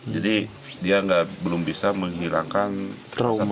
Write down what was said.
jadi dia belum bisa menghilangkan trauma